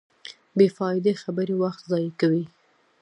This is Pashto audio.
بېفائدې خبرې وخت ضایع کوي.